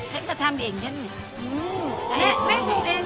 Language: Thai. เห้ยกับทำเองเรื่องนี้